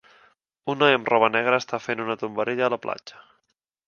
Un noi amb roba negra està fent una tombarella a la platja.